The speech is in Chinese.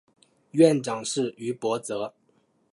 院长是于博泽。